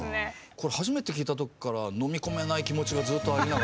これ初めて聴いた時から飲み込めない気持ちがずっとありながら。